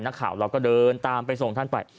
นักข่าวเราก็เดินตามไปส่งท่านไป